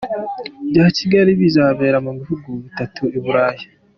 bya Kigali bizabera mu bihugu bitatu i Burayi.